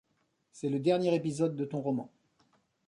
C’est le dernier épisode de ton roman.